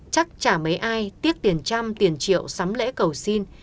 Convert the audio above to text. chắc chả mấy ai tiếc tiền trăm tiền triệu sắm lễ cầu xin